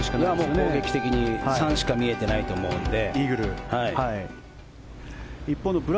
攻撃的に３しか見えていないと思うので。